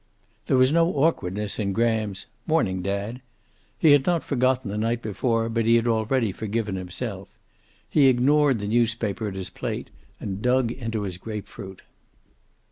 There was no awkwardness in Graham's "Morning, dad." He had not forgotten the night before, but he had already forgiven himself. He ignored the newspaper at his plate, and dug into his grapefruit.